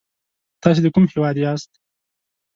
تاسې د کوم هيواد ياست؟